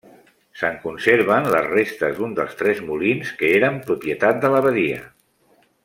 Se'n conserven les restes d'un dels tres molins que eren propietat de l'abadia.